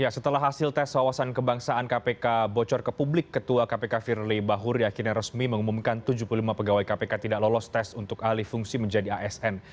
setelah hasil tes wawasan kebangsaan kpk bocor ke publik ketua kpk firly bahuri akhirnya resmi mengumumkan tujuh puluh lima pegawai kpk tidak lolos tes untuk alih fungsi menjadi asn